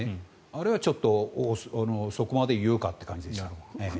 あれはちょっと、そこまで言うかっていう感じでした。